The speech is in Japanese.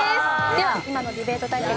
では今のディベート対決